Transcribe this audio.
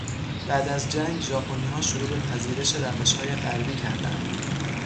بعد از جنگ ژاپنیها شروع به پذیرش روشهای غربی کردند.